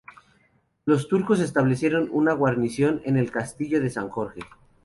Los turcos establecieron una guarnición en el castillo de San Jorge.